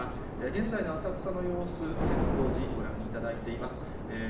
現在の浅草の様子、浅草寺、ご覧いただいています。